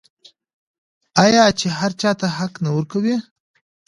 آیا چې هر چا ته حق نه ورکوي؟